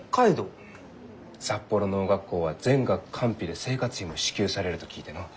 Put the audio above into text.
札幌農学校は全額官費で生活費も支給されると聞いてのう。